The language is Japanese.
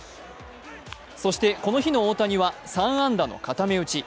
そして、この日の大谷は３安打の固め打ち。